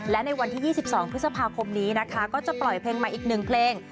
และในวันที่๒๒พฤษภาคมนี้นะคะก็จะปล่อยเพลงใหม่อีกหนึ่งเพลง